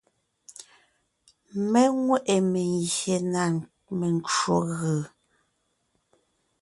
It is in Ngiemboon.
Mé nwé ʼe mengyè na mencwò gʉ.